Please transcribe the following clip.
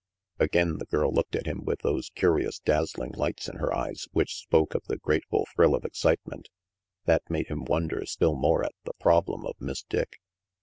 Again the girl looked at him with those curious, dazzling lights in her eyes which spoke of the grateful thrill of excitement. : That made him wonder still more at the problem of Miss Dick.